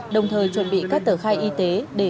đồng thời chuẩn bị các tờ khai y tế để